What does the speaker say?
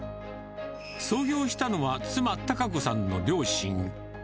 創業したのは妻、高子さんの両親。